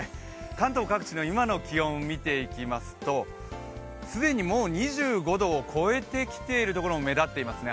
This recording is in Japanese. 関東各地の今の気温を見ていきますと、既にもう２５度を超えてきているところも目立ってますね。